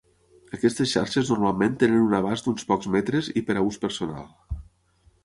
Aquestes xarxes normalment tenen un abast d'uns pocs metres i per a ús personal.